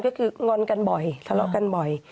ก็คืองอนกันบ่อยทะเลาะกันบ่อย